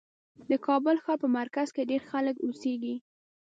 د کابل ښار په مرکز کې ډېر خلک اوسېږي.